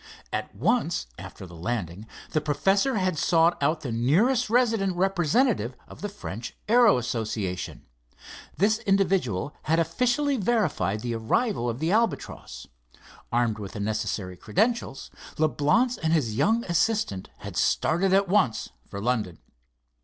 At once after the landing, the professor had sought out the nearest resident representative of the French Aero Association. This individual had officially verified the arrival of the Albatross. Armed with the necessary credentials, Leblance and his young assistant had started at once for London.